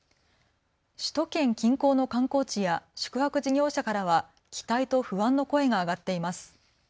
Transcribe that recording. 首都圏近郊の観光地や宿泊事業者からは期待と不安の声が上がっています。